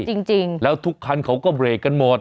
จริงแล้วทุกคันเขาก็เบรกกันหมด